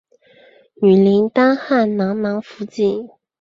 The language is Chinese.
女林丹汗囊囊福晋。